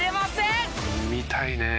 「見たいねえ」